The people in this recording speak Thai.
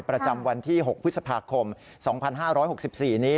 ประจำวันที่๖พฤษภาคม๒๕๖๔นี้